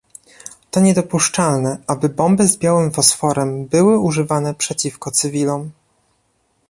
To niedopuszczalne, aby bomby z białym fosforem były używane przeciwko cywilom